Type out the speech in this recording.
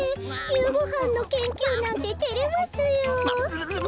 ゆうごはんのけんきゅうなんててれますよ。